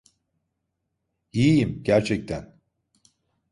İyiyim, gerçekten.